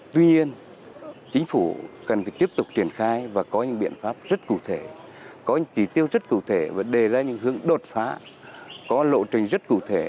tuy nhiên chính phủ cần phải tiếp tục triển khai và có những biện pháp rất cụ thể có những chỉ tiêu rất cụ thể và đề ra những hướng đột phá có lộ trình rất cụ thể